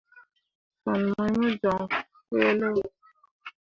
Fan mai mo joŋ feelao.